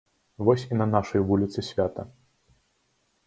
Вось і на нашай вуліцы свята.